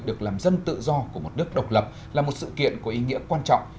được làm dân tự do của một nước độc lập là một sự kiện có ý nghĩa quan trọng